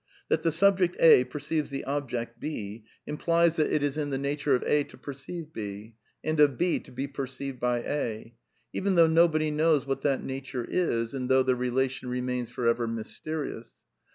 That the subject A perceives the object B, implies that it is in the THE NEW REALISM 197 nature of A to perceive B, and of B to be perceived by A ; even though nobody knows what that nature is, and though the relation remains for ever mysterious.